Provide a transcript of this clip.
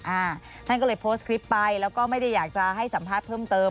อ่าท่านก็เลยโพสต์คลิปไปแล้วก็ไม่ได้อยากจะให้สัมภาษณ์เพิ่มเติม